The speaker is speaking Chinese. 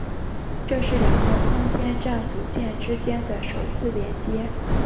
这是两个空间站组件之间的首次连接。